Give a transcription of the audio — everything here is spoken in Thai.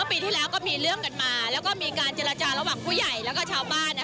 ว่าปีที่แล้วก็มีเรื่องกันมาและมีการจราจาระหว่างผู้ใหญ่และชาวบ้าน